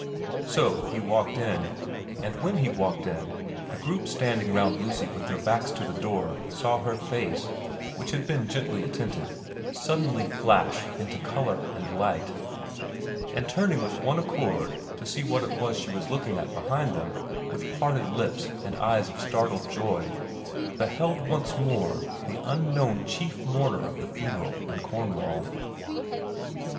So he walked in ; and when he walked in, the group standing round Lucy with their backs to the door saw her face, which had been gently attentive, suddenly flash xi VERA 111 into colour and light ; and turning with one accord to see what it was she was looking at behind them with parted lips and eyes of startled joy, beheld once more the unknown chief mourner of the funeral in Cornwall.